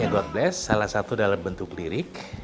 god bless salah satu dalam bentuk lirik